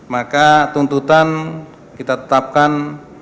maka tuntutan kita tetapkan